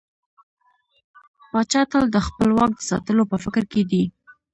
پاچا تل د خپل واک د ساتلو په فکر کې دى.